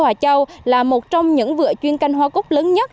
hòa châu là một trong những vựa chuyên canh hoa cúc lớn nhất